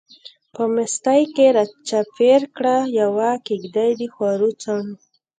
په مستۍ کی را چار پیر کړه، یوه کیږدۍ دخورو څڼو